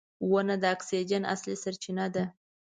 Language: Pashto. • ونه د اکسیجن اصلي سرچینه ده.